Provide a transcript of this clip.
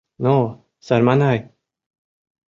Но, сарманай!